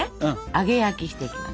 揚げ焼きしていきます。